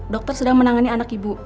dokter sedang menangani anak ibu